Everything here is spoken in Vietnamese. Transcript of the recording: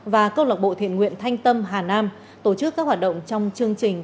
và câu lạc bộ thiện nguyện thanh tâm hà nam tổ chức các hoạt động trong chương trình